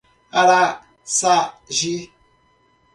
Araçagi